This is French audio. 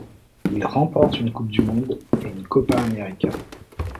Il remporte une coupe du monde et une Copa América.